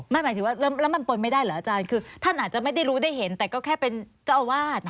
หมายถึงว่าแล้วมันปนไม่ได้เหรออาจารย์คือท่านอาจจะไม่ได้รู้ได้เห็นแต่ก็แค่เป็นเจ้าอาวาส